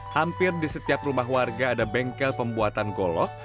hampir di setiap rumah warga ada bengkel pembuatan golok